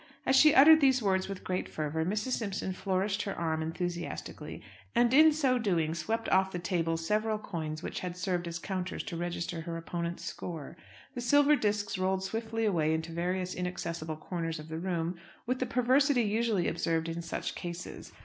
As she uttered these words with great fervour, Mrs. Simpson flourished her arm enthusiastically, and in so doing swept off the table several coins which had served as counters to register her opponent's score. The silver discs rolled swiftly away into various inaccessible corners of the room, with the perversity usually observed in such cases.